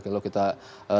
kalau kita lihat